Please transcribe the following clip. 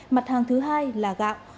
mặt hàng thứ hai là gạo